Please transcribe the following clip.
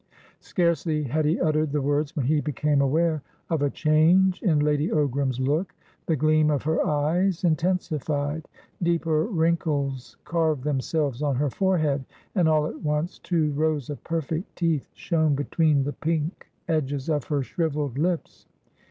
Scarcely had he uttered the words when he became aware of a change in Lady Ogram's look. The gleam of her eyes intensified; deeper wrinkles carved themselves on her forehead, and all at once two rows of perfect teeth shone between the pink edges of her shrivelled lips.